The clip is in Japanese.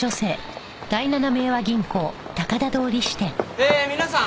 えー皆さん